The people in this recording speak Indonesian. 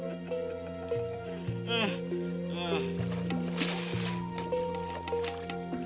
dolomita tidak sama yang yang dulu berakhir